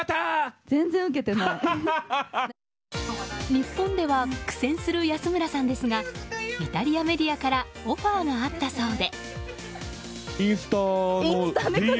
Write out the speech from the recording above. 日本では苦戦する安村さんですがイタリアメディアからオファーがあったそうで。